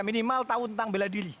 minimal tahu tentang bela diri